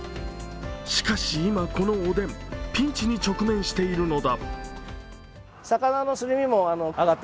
しかし今、このおでん、ピンチに直面しているのだ。